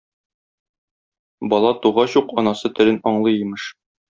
Бала тугач ук анасы телен аңлый, имеш.